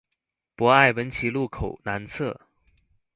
博愛文奇路口南側